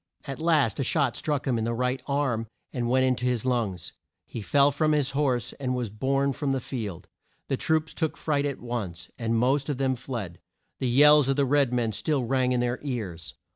At last a shot struck him in the right arm and went in to his lungs. He fell from his horse, and was borne from the field. The troops took fright at once, and most of them fled. The yells of the red men still rang in their ears.